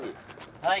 はい。